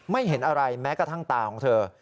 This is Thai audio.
เห็นอะไรแม้กระทั่งตาของเธอ